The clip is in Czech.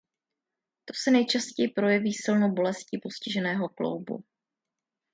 To se nejčastěji projeví silnou bolestí postiženého kloubu.